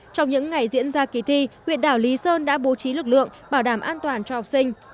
trong những ngày diễn ra kỳ thi huyện đảo lý sơn đã bố trí lực lượng bảo đảm an toàn cho học sinh